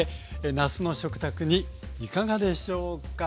夏の食卓にいかがでしょうか？